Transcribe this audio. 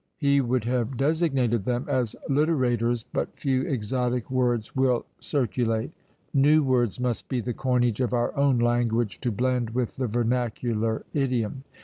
He would have designated them as literators, but few exotic words will circulate; new words must be the coinage of our own language to blend with the vernacular idiom.